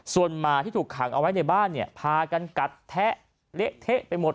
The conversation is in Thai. ส่วนหมาที่ถูกขังเอาไว้ในบ้านเนี่ยพากันกัดแทะเละเทะไปหมด